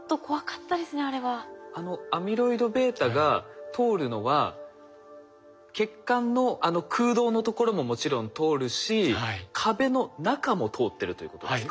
あのアミロイドβが通るのは血管のあの空洞のところももちろん通るし壁の中も通ってるということですか？